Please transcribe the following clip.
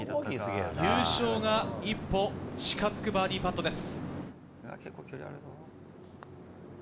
優勝が一歩近づくバーディーパットです。